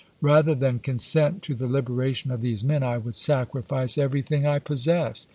Rather than consent to the liberation of these men, I would sacrifice everything I possess.